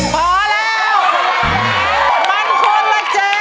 มันคล้นละแจ๊